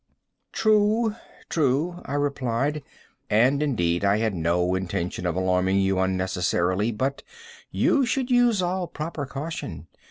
"True—true," I replied; "and, indeed, I had no intention of alarming you unnecessarily—but you should use all proper caution.